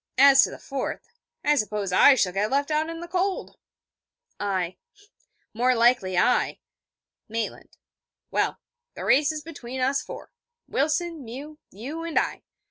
As to the fourth, I suppose I shall get left out in the cold.' I: 'More likely I.' Maitland: 'Well, the race is between us four: Wilson, Mew, you and I.